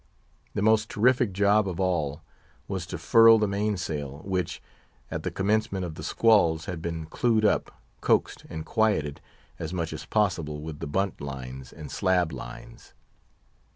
The most terrific job of all was to furl the main sail, which, at the commencement of the squalls, had been clewed up, coaxed and quieted as much as possible with the bunt lines and slab lines.